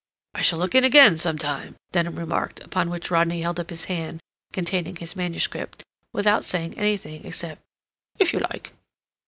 "I shall look in again some time," Denham remarked, upon which Rodney held up his hand, containing his manuscript, without saying anything except—"If you like."